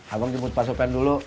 abang jemput pasokan dulu